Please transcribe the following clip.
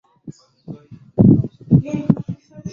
Kashmir's economy is centred around agriculture.